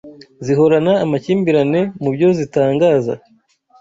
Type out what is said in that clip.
zihorana amakimbirane mu byo zitangaza